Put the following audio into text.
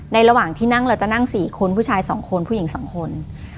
ระหว่างที่นั่งเราจะนั่ง๔คนผู้ชาย๒คนผู้หญิง๒คน